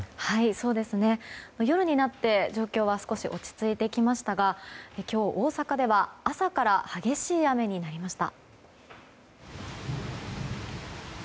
そうですね、夜になって状況は少し落ち着いてきましたが今日、大阪では朝から激しい雨になりました。